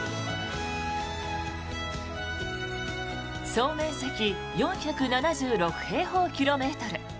総面積４７６平方キロメートル。